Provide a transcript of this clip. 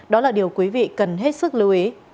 đó là điều quý vị cần hết sức lưu ý